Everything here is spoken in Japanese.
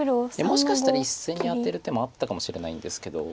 もしかしたら１線にアテる手もあったかもしれないんですけど。